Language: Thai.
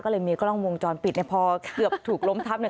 ก็เลยมีกล้องวงจรปิดเนี่ยพอเกือบถูกล้มทับเนี่ย